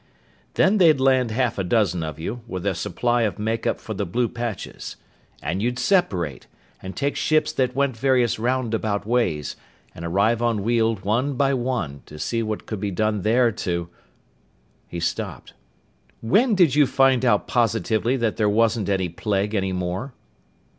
"Then they'd land half a dozen of you, with a supply of make up for the blue patches. And you'd separate, and take ships that went various roundabout ways, and arrive on Weald one by one, to see what could be done there to " He stopped. "When did you find out positively that there wasn't any plague any more?"